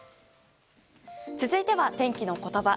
続いては天気のことば。